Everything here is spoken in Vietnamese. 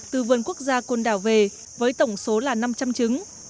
từ vườn quốc gia côn đảo về với tổng số là năm trăm linh trứng